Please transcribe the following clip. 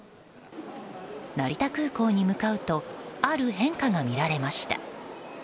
成田空港に向かうとある変化が見られました。